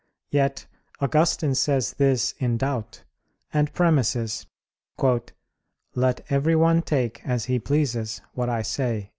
Yet Augustine says this in doubt; and premises, "Let every one take, as he pleases, what I say."